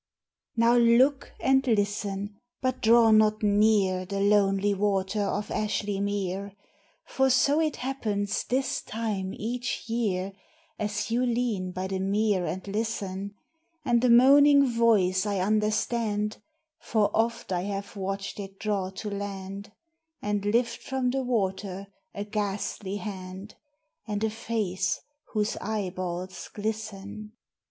Now look and listen! but draw not near The lonely water of Ashly Mere! For so it happens this time each year As you lean by the mere and listen: And the moaning voice I understand, For oft I have watched it draw to land, And lift from the water a ghastly hand And a face whose eyeballs glisten.